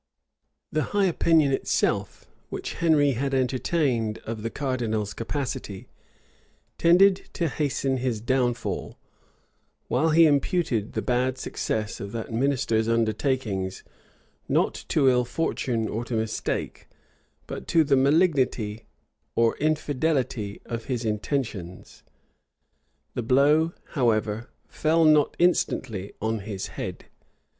The high opinion itself, which Henry had entertained of the cardinal's capacity, tended to hasten his downfall; while he imputed the bad success of that minister's undertakings, not to ill fortune or to mistake, but to the malignity or infidelity of his intentions. The blow, however, fell not instantly on his head.